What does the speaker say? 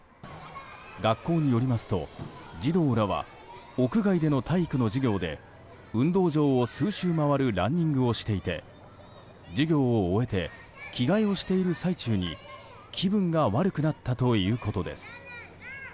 学校によりますと児童らは屋外での体育の授業で運動場を数周回るランニングをしていて授業を終えて着替えをしている最中に気分が悪くなったということです。